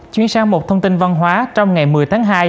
chuyển sang một thông tin văn hóa trong ngày một mươi tháng hai